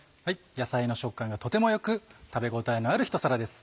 野菜の食感がとても良く食べ応えのあるひと皿です。